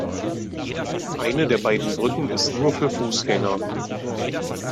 Eine der beiden Brücken ist nur für Fußgänger.